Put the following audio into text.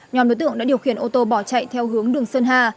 nhóm đối tượng đã điều khiển ô tô bỏ chạy theo hướng đường sơn hà